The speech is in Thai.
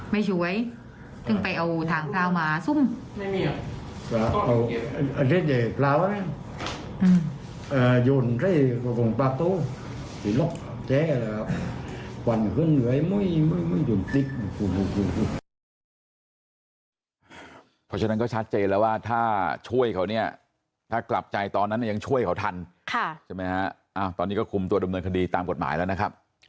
แล้วก่อนขึ้นเหลือไม่ยุ่นติ๊ก